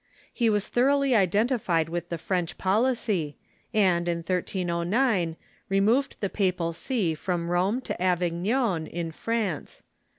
He was thoroughly identified with the French policy, and, in 1309, removed the papal see from Rome to Avignon, in France.